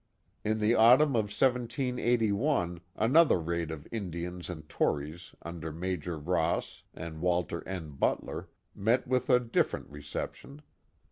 In the autumn of 1781 another raid of Indians and Tories under Major Ross and Walter N. Butler met with a different re ception.